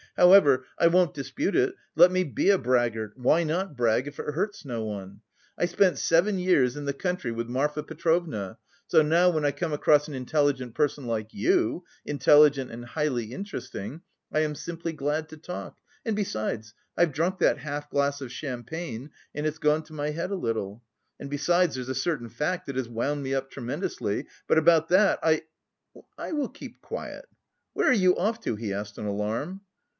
"However, I won't dispute it, let me be a braggart, why not brag, if it hurts no one? I spent seven years in the country with Marfa Petrovna, so now when I come across an intelligent person like you intelligent and highly interesting I am simply glad to talk and, besides, I've drunk that half glass of champagne and it's gone to my head a little. And besides, there's a certain fact that has wound me up tremendously, but about that I... will keep quiet. Where are you off to?" he asked in alarm.